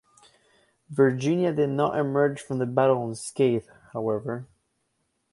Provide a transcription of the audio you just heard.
"Virginia" did not emerge from the battle unscathed, however.